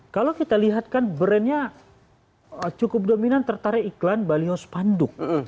kalau kita lihat kan brandnya cukup dominan tertarik iklan balio spanduk